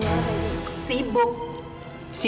tidak pak fadil